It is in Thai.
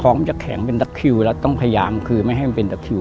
มันจะแข็งเป็นตะคิวแล้วต้องพยายามคือไม่ให้มันเป็นตะคิว